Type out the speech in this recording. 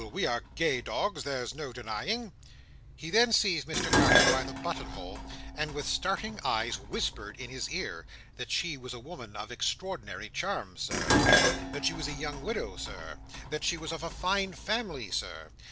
we are gay dogs, there's no denying." He then seized Mr Carker by the button hole, and with starting eyes whispered in his ear, that she was a woman of extraordinary charms, Sir. That she was a young widow, Sir. That she was of a fine family, Sir.